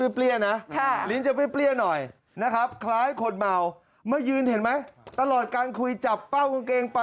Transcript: เสียงแรกสักหน่าหนะ